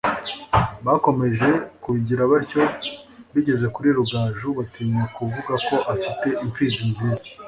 Bakomeza kubigira batyo bigeze kuri Rugaju batinya kuvuga ko afite imfizi nziza,